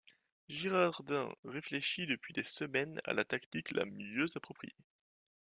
Girardin réfléchit depuis des semaines à la tactique la mieux appropriée.